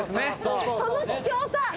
その貴重さ。